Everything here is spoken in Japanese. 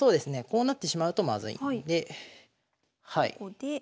こうなってしまうとまずいのでここで。